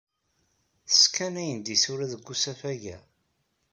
Sskanayen-d isura deg usafag-a?